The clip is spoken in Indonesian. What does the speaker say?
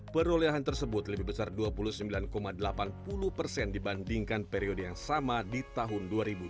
perolehan tersebut lebih besar dua puluh sembilan delapan puluh persen dibandingkan periode yang sama di tahun dua ribu dua puluh